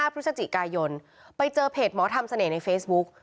พฤศจิกายนไปเจอเพจหมอทำเสน่ห์ในเฟซบุ๊ก